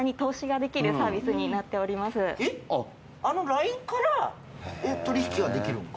えっあのＬＩＮＥから取引ができるのか？